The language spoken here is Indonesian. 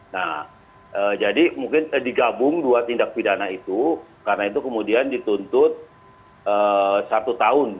nah jadi mungkin digabung dua tindak pidana itu karena itu kemudian dituntut satu tahun